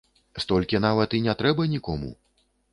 Столькі нават і не трэба нікому!